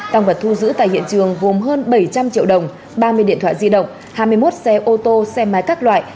tăng vật thu giữ tại hiện trường gồm hơn bảy trăm linh triệu đồng ba mươi điện thoại di động hai mươi một xe ô tô xe máy các loại